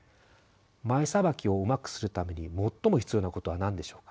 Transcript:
前さばきをうまくするために最も必要なことは何でしょうか。